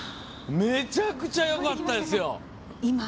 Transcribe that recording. めちゃくちゃよかったですよ。